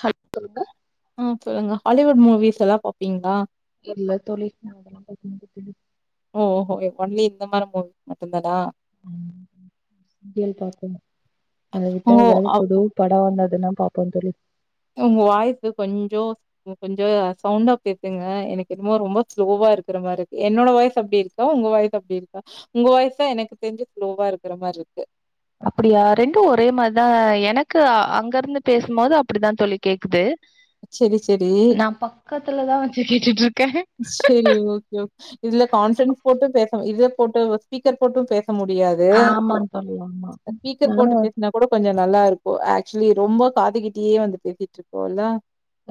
Hello சொல்லுங்க ம் சொல்லுங்க ஹாலிவுட் மூவிஸ் எல்லா பாப்பீங்களா இல்ல தோழி [inaudible] ஒ ஹோ ஒ ஓன்லி இந்த மாரி மூவிஸ் மட்டுதானா [unintelligible] அத ஓ விட்டா ஏதாவது பொது அப் பட வந்ததுன்னா பாப்போ தோழி உங்க வாய்சு கொஞ்சோ கொஞ்சோ சவுண்டா பேசுங்க எனக்கு என்னமோ ரொம்ப ஸ்லோவா இருக்கிற மாதிரி இருக்கு என்னோட வாய்ஸ் அப்டி இருக்கு உங்க வாய்ஸ் அப்டி இருக்கா உங்க வய்ஸ் தா எனக்கு தெரிஞ்சு ஸ்லோவா இருக்கிற மாரி இருக்கு அப்டியா ரெண்டு ஒரே மாரிதா எனக்கு அங்க இருந்து பேசும்போது அப்டிதான் தோழி கேக்குது சரி, சரி. நா பக்கத்துலதான் வச்சு கேட்டுட்டு இருக்கே சரி ஓகே இதுல கான்பிரன்ஸ் போட்டும் பேசு இதுல போட்டு ஸ்பீக்கர் போட்டு பேசு முடியாது ஆமா தோழி ஆமா ஸ்பீக்கர் நானு போட்டு பேசினா கூட கொஞ்சோ நல்லா இருக்கும் ஆக்சுவலி ரொம்ப காதுகிட்டயே வந்து பேசிட்டு இருக்கோல்ல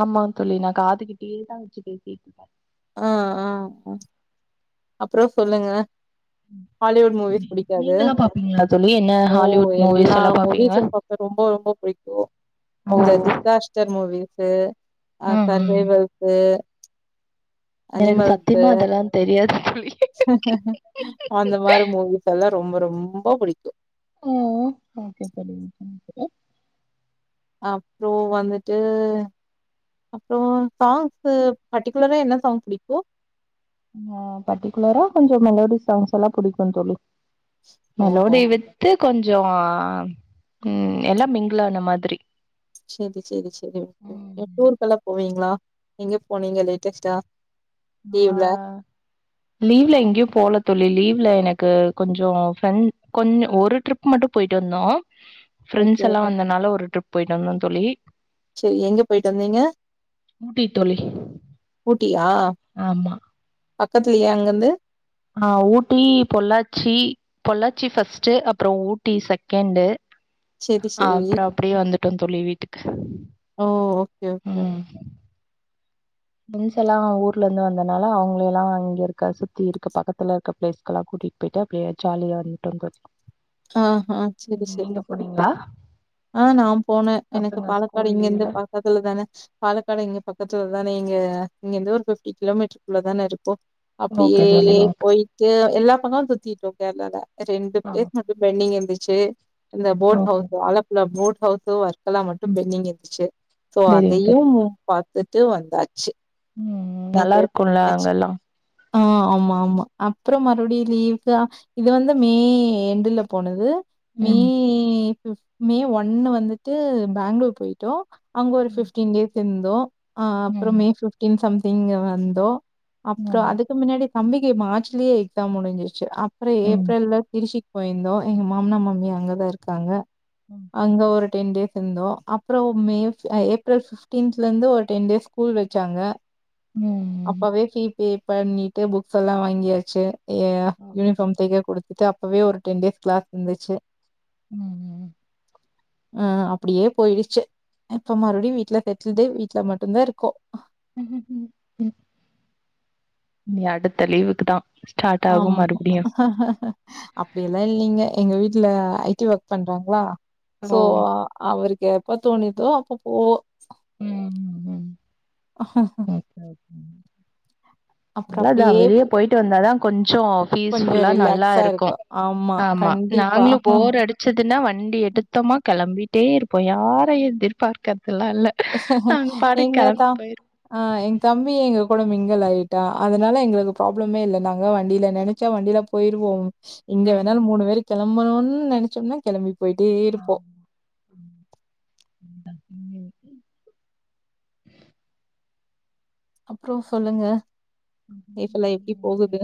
ஆமா தோழி நான் காதுகிட்டே தா வச்சு பேசிட்டு இருப்பே அ அ அப்பறோ சொல்லுங்க ஹாலிவுட் மூவிஸ் புடிக்காது நீங்க எல்லா பாப்பீங்களா தோழி என்ன ஓ ஹாலிவுட் மூவிஸ் எல்லா பாப்பீங்களா மூவிஸும் பாக்க ரொம்ப ரொம்ப பிடிக்கு இந்த டிசாஸ்டர் மூவிஸு ம் ம் சர்வைவல்ஸு எனக்கு அனிமல்ஸு சத்தியமா அதெல்லா தெரியாது தோழி அந்த மாரி மூவிஸ் எல்லா ரொம்ப ரொம்ப பிடிக்கு ம் ஓகே [unintelligible] அப்றோ வந்துட்டு அப்றோ சாங்ஸ் பர்டிகுலரா என்ன சாங்ஸ் பிடிக்கு அ பர்டிகுலரா கொஞ்சொ மெலோடி சாங்ஸ் எல்லா புடிக்கு தோழி ஓஹோ மெலோடி வித் [unintelligible] கொஞ்சொ ம் எல்லா மிங்லான மாதிரி சேரி சேரி சேரி என் டூருக்கு எல்லா போவீங்களா எங்க போனீங்க லேட்டஸ்ட்டா அ லீவ்ல லீவ்ல எங்கேயு போல தோழி லீவ்ல எனக்கு கொஞ்சொ ஃப்ரெண்ட் கொஞ்ச ஒரு ட்ரிப் மட்டு போயிட்டு வந்தோ ஓகே ஃப்ரெண்ட்ஸ் எல்லா வந்தனால ஒரு ட்ரிப் போயிட்டு வந்தோ தோழி தந்தீங்க ஊட்டித்தோழி ஊட்டியா ஆமா பக்கத்துலயா அங்கிருந்து அ ஊட்டி பொள்ளாச்சி பொள்ளாச்சி ஃபஸ்ட் அப்றோ ஊட்டி செகண்டு் சேரி அ சேரி அப்புறோ அப்டியே வந்துட்டோ தோழி வீட்டுக்கு ஓ ஓகே ஓகே ம் ரென்ஸ் எல்லா ஊர்ல இருந்து வந்தனால அவுங்கள எல்லா இங்க இருக்க சுத்தி இருக்க பக்கத்துல இருக்க பிளேஸ்கெல்லா கூட்டிட்டு அப்பிட்டா அப்டியே ஜாலியா வந்துட்டோங்க ஆ ஆ சேரி சேரி சேரி ஆ நா போனே எனக்கு பசங்க பாலக்காடு ஸ்கூல் இங்க இருந்து லீவ்ல பக்கதுல தானே பாலக்காடு இங்க பக்கத்துல தானே இங்க இங்கரிந்து ஒரு பிஃப்டி கிலோமீட்டருக்குள்ள தானே இருக்கு ஓகே அப்டியே தோழி ஓகே போயிட்டு எல்லா பக்கம் சுத்திட்டோ கேரளால ரெண்டு ஆ பிளேஸ் மட்டு பெண்டிங் இருந்துச்சு இந்த போர்ட் ஓகே ஹவுஸ் ஆழப் இந்த போட் ஹவுஸ் வர்க்கலா மட்டு பென்டிங் இருந்துச்சு சோ செரிங்க தோழி அதையும் பாத்துட்டு வந்தாச்சு ம் நல்லா என்ஜாய் இருக்குல்ல பண்ணியாச்சு. அங்கெல்லா ஆ ஆமா ஆமா அப்புறோ மறுபடியு லீவுக்கு அ இது வந்து மே எண்டுல போனது மே ம் ஃபி மே ஒன்னு வந்துட்டு பேங்ளூர் போயிட்டோ அங்க ஒரு ம் ஃபிஃப்டீன் டேஸ் இருந்தோ அ ம் அப்புறம் மே ஃபிஃப்டீன் சம்திங் இங்க வந்தோ அப்புற அதுக்கு முன்னாடி தம்பிக்கு மார்ச்லயே எக்ஸாம் முடிஞ்சிருச்சு அப்புற ம் ம் ஏப்ரல்ல திருச்சி போயிருந்தோ எங்க மாமனா மாமியா அங்கதா இருக்காங்க ம் அங்கே ஒரு டென் டேஸ் இருந்தோ அப்புற மே அ ஏப்ரல் சிக்ஸ்டீன்ல இருந்து ஒரு டென் டேஸ் ஸ்கூல் வச்சாங்க ம் அப்பவே ஃபீ பே பண்ணிட்டு புக்ஸ் எல்லா வாங்கியாச்சு எ ஓகே யூனிஃபார்ம் தெக்க குடுத்துட்டு அப்பவே ஒரு டென் டேஸ் கிளாஸ் இருந்துச்சு ம் ம் அ அப்டியே போயிடுச்சு இப்ப மறுபடியு வீட்டு்ல செட்டுல்டு வீட்டுல மட்டுதா இருக்கோ இனி அடுத்த லீவுக்கு தா ஸ்டார்ட் ஆமா ஆகும் மறுபடியு அப்டி எல்லாம இல்லைங்க எங்க வீட்டுல ஐ டி ஒர்க் பண்றாங்களா ஓ சோ அவருக்கு எப்ப தோணுதோ அப்ப போ ம் ம் அப்புறோ நல்லதுதா அப்படியே வெளியே போயிட்டு வந்தாதா கொஞ்சோ கொஞ்சோ பீஸ்ஃபுல்லா நல்லா ரிலாக்ஸா இருக்கு ஆமா கண்டிப்பா நாங்களு போர் அடி ச்சதுன்னா வண்டி எடுத்தமா கெளம்பிட்டே இருப்போ யாரை எதிர்பார்க்கதலா இல்ல நாங்க பாட்டுக்கு எங்க கா கெளம்பி போயிருவோ. அ எங் தம்பி எங்க கூட மிங்குல் ஆயிட் டா அதனால எங்களுக்கு ப்ராப்ளமே இல்ல நாங்க வண்டியில நெனச்சா வண்டியில போயிருவோ எங்க ம். வேணாலு மூணு பேர் கெளம்பணுன்னு நெனச்சோம்னா கெளம்பி போயிட்டே இருப்போ [unintelligible] அப்புற சொல்லுங்க லைஃபெல்லா எப்டி போகுது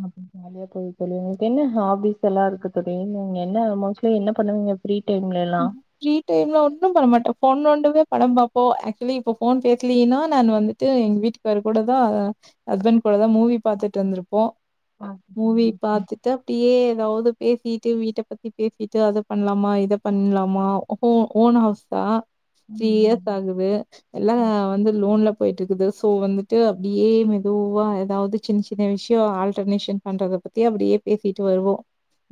ஆ நெயா போயி தோழி உங்களுக்கு என்ன ஹாபீஸ் எல்லா இருக்கு தோழி நீங்க என்ன மோஸ்ட்லி என்ன பண்ணுவீங்க ஃப்ரீ டைம்ல எல்லா ஃப்ரீ டைம்ல ஒன்னும் பண்ணமாட்டே ஃபோன் நோண்டுவே படம் பாப்போ ஆக்சுவலி இப்ப ஃபோன் பேசலீன்னா நான் வந்து ட்டு எங்க வீட்டுக்காரரு கூட தா ஹஸ்பண்ட் கூடதா மூவி பாத்துட்டு இருந்துருப்போ மூவி ம். பாத்துட் டு அப்டியே எதாவது பேசிட்டு வீட்ட பத்தி பேசிட்டு அது பண்ணலாமா இத பண் லாமா ஓ ஓன் ஹவுஸ்தா த்ரீ இயர்ஸ் ம். ஆகுது எல்லா ஓகே. வந்து லோன்ல போய்ட்டிருக்குது சோ வந்துட்டு அப்டியே மெதுவா எதாவ்து சின்ன சின்ன விஷ்யோ ஆல்டர்னேஷன் பண்றத பத் தி அப்டியே பேசிட்டு வருவோ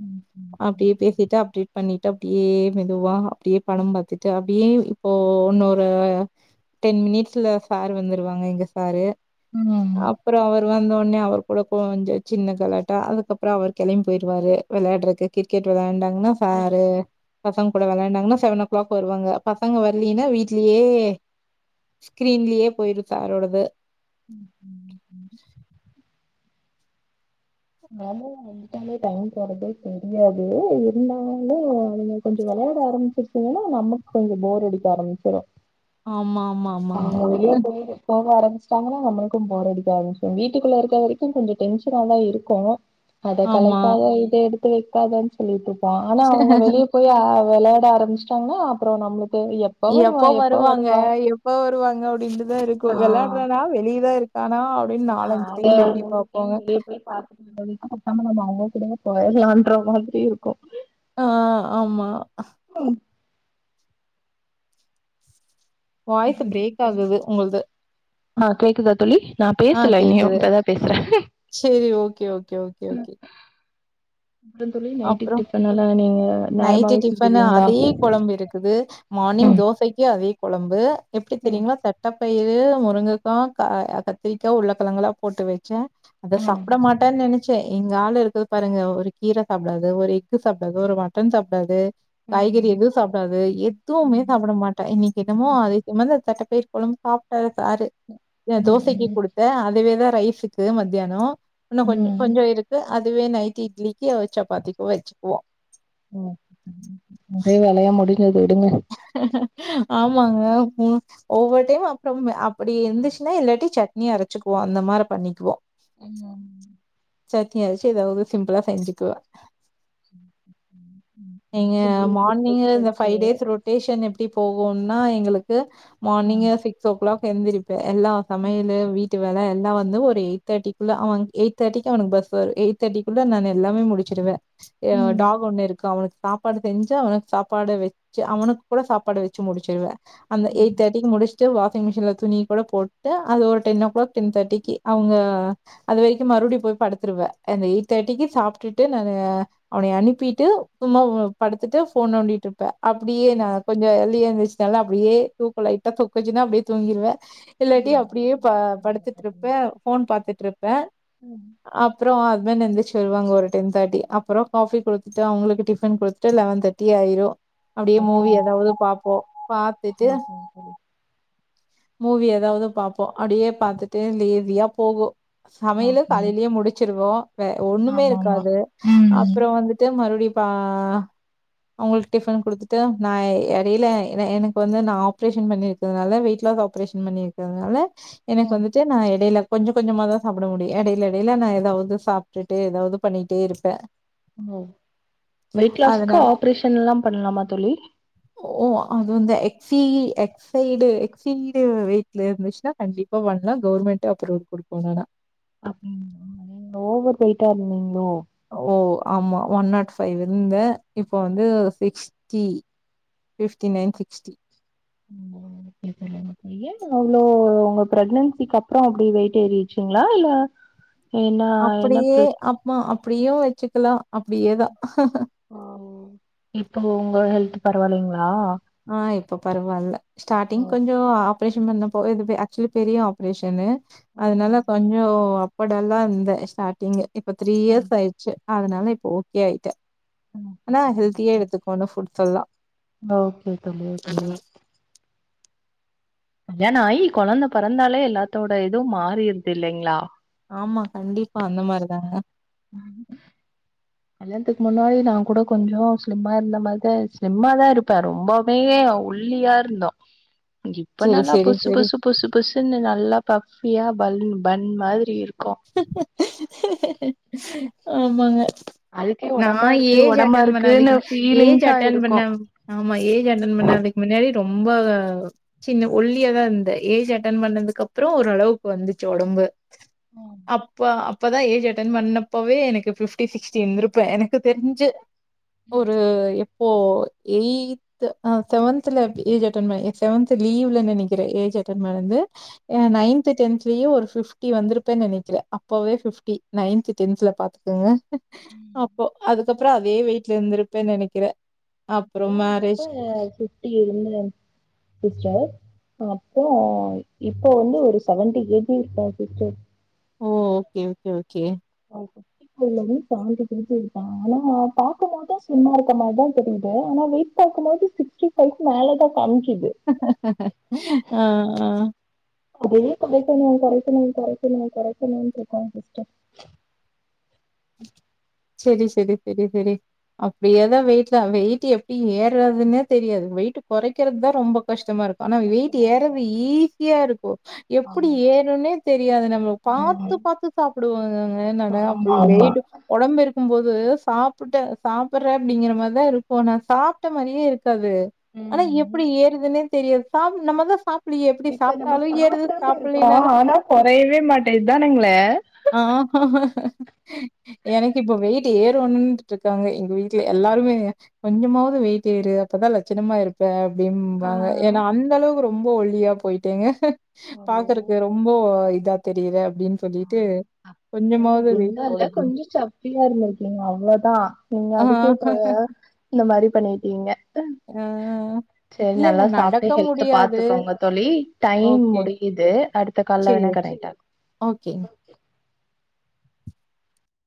ம். அப்டியே பேசிட்டு அப்டேட் பண்ணிட்டு அப்டி யே மெதுவா அப்டியே படம் பாத்துட்டு அப்டியே இப்போ உன்னொரு டென் மினிட்ஸ்ல சார் வந்துருவாங்க எங்க சாரு ம் ம். ம். அப்புறோ அவர் வந்தோட்னே அவர் கூட கொஞ்சோ சின்ன கலாட்டா அதுக்கப்றோ அவர் கெளைம் போய்ருவாரு வெளாட்றக்கு கிரிக்கெட் விளாண்டாங்னா சாரு பசங் கூட வெளாண்டாங்னா சவன்னோ கிளாக் வருவாங்க பசங்க வர்லினா வீ்ட்லயே ஸ்கிரீன்லியே போய்ரு சாரோடது ம் ம் ம் நல்லவுங்க அந்த டைம்ல டைம் போறதே தெரியாது இருந்தாலு அவ்ங்க கொஞ்சோ வெளையாட ஆரமிச்சாச் சா ஏனா நமக் கொஞ்சோ போர் அடிக்க ஆரமிச்சிரு ஆமா ஆமா ஆமாங்க. அவுங்க வெளிய போமோது போக ஆரமிச்சட்டாங்கனா நம்மளுக்கு போறடிக்க ஆரமிச்ரு வீட்டுக்குள்ள இருக்ற வரைக்கு கொஞ்சோ டென்ஷனாதா இருக்கூ அத ஆமா. களைக்காத இத எடுத்து வைக்காதன் சொல்லிட்ருப்போ ஆனா அவுங்க வெளிய போய் ஆ வெளாட ஆரமிச்ட்டாங்னா அப்புறோ நம்ளுக்கு எப் எப்போ வருவாங்க எப் ப வருவாங்க அப்டின்ட்டுதா இருக்கு ஆ வெளையாட்றானா வெளியதா இருக்கானா அப்டின்னு ஆ அத டைம் எட்டி ஒரு டைம் பாப்போங்க. வெளிய போய் பாத் தவைக்கு அப்ப நம்ம இன்னு அவ்ங்க கூடவே போய்ர்லான்ற மாதிரி இருக்கு ஆ ஆமா தோழி வாய்ஸ் பிரேக் ஆகுது உங்கள்து. ஆ கேக்குதா தோழி நான் ஆ பேசல இனியு கேக்குது. இப்பதா பேசுற சரி, ஓகே, ஓகே, ஓகே, ம் ஓகே. அப்றோ தோழி அப்புறம் நைட்டுக்கு டிஃப்பனலா நீங்க நைட்டு நேரமாவே டிஃபனு செஞ்சுருவீங்ளா அதே குழம்பு இருக்குது. மார்னிங் தோசைக்கு அதே கொழம்பு எப்டி ம் தெரியுங்ளா தட் டப்பயிறு முருங்கக்கா க அ கத்திரிக்கா உள்ளக்கிழங்குலா போட்டு வச்சா அத ம் சாப்புட மாட் டா நெனைச்சே எங்க ஆள் இருக்குது பாருங்க ஒரு கீர சாப்டாது ஒரு எக்கு சாப்டாது ஒரு மட்டன் சாப்டாது ம் காய்கறி எதூ சாப்டாது எதுவ்மே சாப்புட மா ட்டா இன்னைக்கு என்னமோ அதிசயமாதா தட்ட பயிர் கொழம்பு சாப்ட்டாக சாரு நா ம் தோசைக்கு ம் குடுத் த அதுவேதா ரைஸுக்கு மத்யானோ இன்னு கொஞ்சு ம் கொஞ்சோ இருக்கு அதுவே நைட்டு இட்லிக்கு வச் சப்பாத்திக்கு வச்சுக்குவோ ஒரே வேலையா முடிஞ்சது விடுங்க ஆமாங்க ம் ஒவ்வொர் டைம் அப்றமு அப்புடி இருந்துச்னா இல்லாட்டி சட்னி அரைச்சிக்குவோ அந்த மார பண்ணிக்குவோ ம் சட்னி அரச்சு எதாவது சிம்புளா செஞ்சுக்குவ நீங்க மார்னிங்கு இந்த ஃபை படிச்சாச்சு டேஸ் ரொ ட்டேஷன் எப்டி போகுனா எங்குளுக்கு ம் மார்னிங்கு சிக்ஸோ கிளாக் எந்திரிப்பே எல்லா சமையலு வீட் வேல எல்லா வந்து ஒரு எயிட் தேட்டிக்குள்ள அவன் எயிட் தேட்டிக்கு அவனுக்கு பஸ்ஸு வரும் எயிட் தேட்டிக்குள்ள நான்னு எல்லாமே முடிச்சுடுவே அ ம் டாக் ஒண்ணு இருக்கு அவனுக்கு சாப்பாடு செஞ்சு அவனுக்கு சாப்பாட வச்சு அவனுக் கூட சாப்பாடு வச்சு முடிச்சிடுவே அந்த எய்ட் தேட்டிக்கு முடிச் சு வாஷிங்மிஷின்ல துணி கூட போட்டு அது ஒரு டென் ஓ கிளாக் டென் தேட்டிக்கு அவுங்க அது வரைக்கு மறுபடியு போய் படுத்துருவே அந்த எயிட் தேட்டிக்கு சாப்ட்டுட்டு நானு அவன அனுப்பிட்டு சும்மா படுத்துட்டு போன் நோண்டிட்டுருப்பே அப்டியே நா கொஞ்சோ ஏர்லியா எந்துரிச்சதுனால அப்டியே தூக்கோ லைட்டா சொக்கிச்சுன்னா அப்டியே தூங்கிடுவே இல்லாட்டி ம் அப்டியே பா இனிமே கொஞ்சோ வேல படுத்துட்டுருப்பே பாக்கணு போன் பாத்துட்டுருப்பே ம் அப்றோ ஹஸ்பண்டு எழுந்திரிச்சு வருவாங்க ஒரு டென் தேட்டி அப்றோ காபி குடுத்துட்டு அவுங்களுக்கு டிஃபன் குடுத்துட்டு லெவன் தே ட்டி ஆயிரு [inaudible] போய் பாப்போ பாத்துட்டு ஓகேங்க தோழி மூவி ஏதாவது பாப்போ அப்டியே பாத்துட்டு லேதியா போவோ சமையலு ஓகே காலைலயே முடிச்சிருவோ வே ஒன்னுமே ஆமா ஆமா இருக்காது ம் அப்றோ வந்துட் ட்டு மறுபடியு பா அவுங்களுக்கு டிஃபன் குடுத்துட்டு நா எடையில எனக்கு வந்து நா ஆப்ரேஷன் பண்ணிருக்கனால வெயிட் [unintelligible] ஆப்ரேஷன் பண்ணிருக்கதுனால எனக்கு ஓ வந்து ட்டு நா எடையில கொஞ்சோ கொஞ்சோமா தா சாப்ட முடியு எடைல எடைல நா ஏதாவது சாப்டுட்டு ஏதாவது பண்ணிட்டேருப்பே ஒ வெயிட் லாஸ்க்கு அதனால ஆப்ரேஷன்லா பண்ணலாமா தோழி ஓ அது வந்து எக் சி இ எக் சைடு எ சீடு வெயிட்ல இருந்துச்சுன்னா கண்டிப்பா பண்ணலா கவர்மெண்ட்டே அப்ரூவல் குடுக்கு இல்லனா ஓவர் வெயிட்டாருந்தீங்ளோ ஓ ஆமா ஒன் நாட் ஃபைவ் இருந்தே இப்போ வந்து சிக்ஸ்டி ஃபிஃப்டி நைன் சிக்ஸ்டி ம் ஓ இது தெரியாம ஏங்க அவ்ளோ உங்க பிரெக்னன்சிக்கப்றோ அப்டி வெயிட் ஏறிச்சுங்களா இல்ல ஏனா ஏன்ன பிரக் மா அப்டியு வச்சுக்கலா அப்டியே தா ம் இப்போ உங்க ஹெல்த் பரவாயில்லைங்ளா ஆ இப்ப பரவாயில்ல ஸ்டார்டிங் கொஞ்சோ ஆப்ரேஷன் பண்ணப்போ இது பெ ஆக்சுவலி பெரிய ஆப் ரேஷன்னு அதனால கொஞ்சோ அப்ப டல்லாருந்தே ஸ்டார்ட்டிங்கு இப்ப த்ரீ இயர்ஸ் ஆய்ச்சு அதனால இப்போ ஓ கே ஆயிட்டே ஆனா ஹெல்த்தியா எடுத்துக்கனு ஃபுட்ஸ்செல்லா ஓ கே தோழி ஓ கே கல்யாணோ ஆயி கொழந்த பொறந்தாலே எல்லாத்தோட இதும் மாறிருது இல்லைங்களா ஆமா கண்டிப் பா அந்த மாரிதாங்க கல்யாணத்துக்கு முன்னாடி நா கூட கொஞ்சோ ஸ்லிம்மா இருந்த மாரிதா ஸ்லிம்மா தா இருப்பே ரொம்ப நீயே ஒள்ளியாருந்தோ இப்ப செரி நல்லா செரி பொசு செரி பொசு பொசு பொசுன்னு நல்லா பஃபியா பலூன் பண் மாரிருக்கோ ஆமாங்க அதுக்கே நா ஒடம்பா இருக்கு ஏஜ் ஒடம்பா அட்டன் பண்ண இருக்குன்னு வரைக்குமே ஏஜ் ஃபீலிங்ஸா அட்டன் இருக்கு பண்ண ஆமா ஏஜ் அட்டன் பண்ணதுக்கு முன்னாடி ரொம்ப சின்ன ஒல்லியா தாருந்தே ஏஜ் அட்டன் பண்ணதுக்கு அப்றோ ஓரளவுக்கு வந்துச்சு ஒடம்பு ம் அப்ப அப்பதா ஏஜ் அட்டென் பண்ணப்பவே எனக்கு பிப்டி சிக்ஸ்டி இருந்திருப்பே எனக்கு தெரிஞ்சு ஒரு எப்போ எய் செவன்த்ல ஏஜ் அட்டென் பன்ன செவன்த் லீ்வ்ல நெனைக்கிறே ஏஜ் அட்டென் பன்னது அ நைன்து டென்த்லயே ஒரு பிப்டி வந்துரு அப்பவே நினைக்கிறே அப்பவே பிப்டி நைன்து டென்த்ல பாத்துக்கங்க அப்போ அதுக்கப்புறோ அதே வெய்ட்டுல இருந்திருப்பேன்னு நினைக்கிறே கல்யாணத்தப்ப பிப்டி இருந்தே சிஸ்டர் அப்போ அ இப்போ வந்து ஒரு செவன்டி கேஜி இருப்பே சிஸ்டர் ஓ ஓகே ஓகே ஓகே ஓகே [unintelligible] ஆனா பார்க்க போதும் சும்மா இருக்க மாரிதா தெரியுது ஆனா வெய்ட் பாக்கு போது சிக்ஸ்டி ஃபய்க்கு மேலதா காமிக்குது ஆ ஆ வெயிட்டா கொறைக்கனு கொறைக்கனு கொறைக்கனு கொறைக்கனுன்ற இருக்கே சிஸ்டர் சேரி சேரி சேரி சேரி அப்டியேதா வெயிட்ல வெயிட் எப்பிடி ஏறதுன்னே தெரியாது வெயிட் கொறைக்கிறது தா ரொம்ப கஷ்டமா இருக் ஆனா வெயிட் கஷ்டமா இருக்கு ஏறவு ஈஸியா இருக்கு எப்பிடி ஆமா ஏறுனே தெரியாது நம்ம பாத்து ம் பாத்து சாப்புடுவோனுங்கங்க நானு ஆமா அப்பிடி ஆமா வெயிட்டு ஒடம்பு இருக்கு போது சாப்புட்ட சாப்பிற அப்பிடிங்கிற மாரிதா இருக்குகோ நா சாப்ட மாரியே இரு காது ஆனா ம் எப்புடி ஏறுதுன்னே தெரியாது சாப் நம்மதா சாப் இப்போ நம்ம சாப்புடாம இருக்கோ ஆனா கொறையவே மாட்டேதுதானேங்கலே ஆக எனக்கு இப்போ வெயிட்டு ஏறோனுன்ட்டு இருக்காங்க எங்க வீட்டுல எல்லாருமே கொஞ்சமாவது வெயிட்ஏறு அப்போதா லட்சணமா இருப்பே அப்டிபிம்பாங்க ஏன்னா அந்த அளவுக்கு ரொம்ப ஒல்லியா போயிட்டேங்க பாக்குறக்கு ரொம்ப இதா தெரிர அப்டின்னு சொல்லிட்டு கொஞ்சமாவது வெயிட் போடு அப்டின் ஃபிரியா இருந்திருக்கீங்க அவ்ளோதா நீங்க ஆ, அதுக்கே இப்ப இந்த மாரி பண்ணிட்டீங்க ஆ சேரி இல்ல, இல்ல நல்லா சாப்புட்டு நடக்க ஹெல்த முடியாது. பாத்துக்கோங்க தோழி டைம் ஓகே. முடியுது அடுத் த கால்லவோனா கடையுட்டா ஓ கே